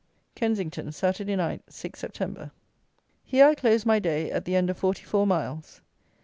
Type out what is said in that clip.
Kensington, Saturday night, 6 Sept. Here I close my day, at the end of forty four miles.